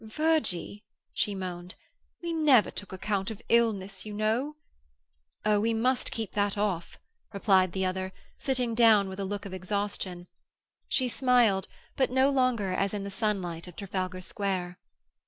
"Virgie," she moaned, "we never took account of illness, you know." "Oh, we must keep that off," replied the other, sitting down with a look of exhaustion. She smiled, but no longer as in the sunlight of Trafalgar Square.